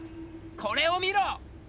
これを見ろ！